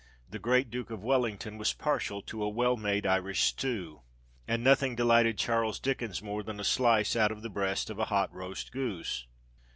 The great Duke of Wellington was partial to a well made Irish stew; and nothing delighted Charles Dickens more than a slice out of the breast of a hot roast goose.